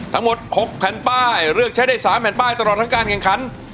ทั้งหมด๖แผ่นป้ายเลือกใช้ได้๓แผ่นป้ายตลอดทั้งการแข่งขัน